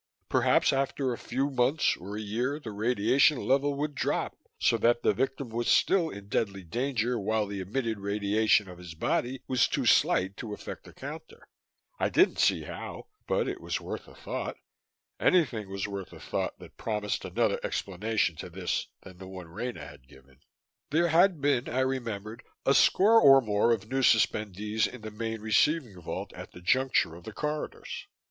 Perhaps after a few months or a year, the radiation level would drop, so that the victim was still in deadly danger while the emitted radiation of his body was too slight to affect the counter. I didn't see how, but it was worth a thought. Anything was worth a thought that promised another explanation to this than the one Rena had given! There had been, I remembered, a score or more of new suspendees in the main receiving vault at the juncture of the corridors.